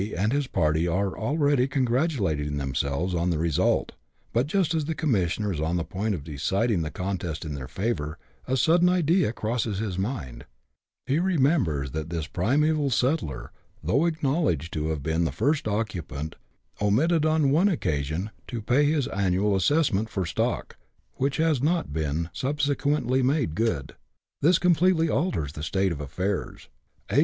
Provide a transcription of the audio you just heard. and his party are already congratulating themselves on the result ; but just as the commissioner is on the point of deciding the contest in their favour, a sudden idea crosses his mind ; he remembers that this primaeval settler, though acknowledged to have been the first occupant, omitted, on one occasion, to pay his annual assess ment for stock, which has not been subsequently made good ; this completely alters the state of affairs ; A.'